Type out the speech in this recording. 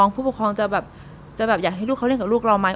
ผู้ปกครองจะแบบจะแบบอยากให้ลูกเขาเล่นกับลูกเราไหม